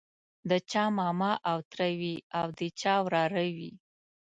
د چا ماما او تره وي او د چا وراره وي.